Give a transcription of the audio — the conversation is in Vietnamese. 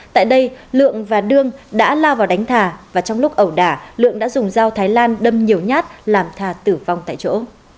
tại đây lượng và đương đã lao vào đánh thà và trong lúc ẩu đả lượng đã dùng dao thái lan đâm nhiều nhát làm thà tử vong tại chỗ